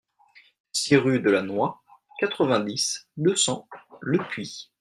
six rue de la Noie, quatre-vingt-dix, deux cents, Lepuix